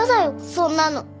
そんなの。